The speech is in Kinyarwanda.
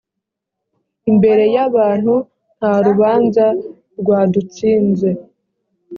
imbere y abantu nta rubanza rwadutsinze